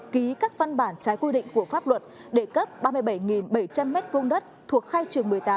ký các văn bản trái quy định của pháp luật để cấp ba mươi bảy bảy trăm linh m hai thuộc khai trường một mươi tám